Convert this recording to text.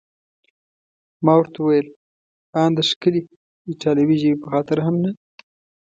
ما ورته وویل: ان د ښکلې ایټالوي ژبې په خاطر هم نه؟